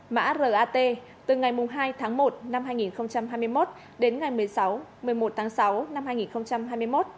mã rat từ ngày hai tháng một năm hai nghìn hai mươi một đến ngày một mươi một tháng sáu năm hai nghìn hai mươi một